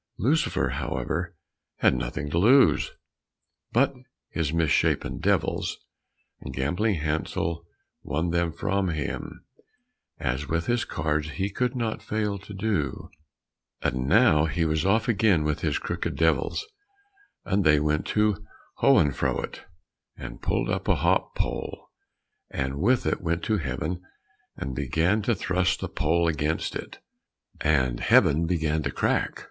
Lucifer, however, had nothing to lose, but his mis shapen devils, and Gambling Hansel won them from him, as with his cards he could not fail to do. And now he was off again with his crooked devils, and they went to Hohenfuert and pulled up a hop pole, and with it went to Heaven and began to thrust the pole against it, and Heaven began to crack.